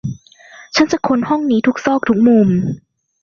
ฉันจะค้นห้องนี้ทุกซอกทุกมุม